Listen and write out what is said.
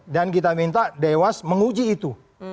dan itu kita minta dewas menguji itu